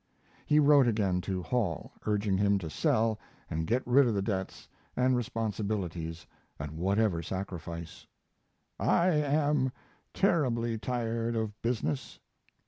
He wrote again to Hall, urging him to sell and get rid of the debts and responsibilities at whatever sacrifice: I am terribly tired of business.